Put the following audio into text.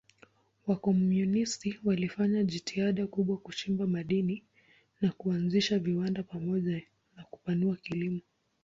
Wakomunisti walifanya jitihada kubwa kuchimba madini na kuanzisha viwanda pamoja na kupanua kilimo.